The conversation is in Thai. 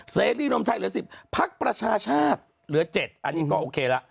เสรีรวมไทยเหลือ๑๐